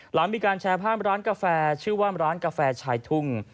หลังมีการแชร์ภาพร้านกาแฟชื่อว่าร้านกาแฟชายทุ่ง